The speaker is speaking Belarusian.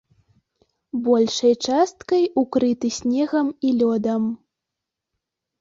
Большай часткай укрыты снегам і лёдам.